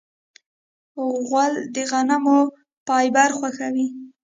غول د غنمو فایبر خوښوي.